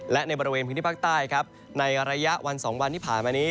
และในบริเวณพื้นที่ภาคใต้ครับในระยะวัน๒วันที่ผ่านมานี้